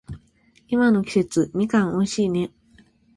今の季節、みかん美味しいね。